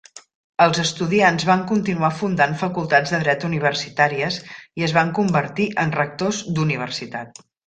Els estudiants van continuar fundant facultats de dret universitàries i es van convertir en rectors d'universitat.